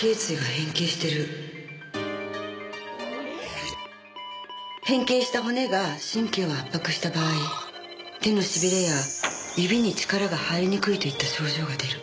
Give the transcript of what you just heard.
変形した骨が神経を圧迫した場合手のしびれや指に力が入りにくいといった症状が出る。